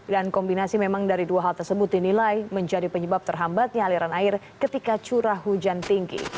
dan kombinasi memang dari dua hal tersebut dinilai menjadi penyebab terhambatnya aliran air ketika curah hujan tinggi